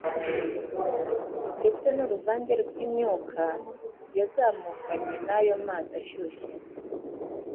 ndetse n’uruvange rw’imyuka yazamukanye n’ayo mazi ashyushye